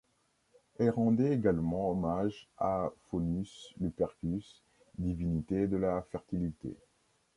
Elle rendait également hommage à Faunus Lupercus, divinité de la fertilité.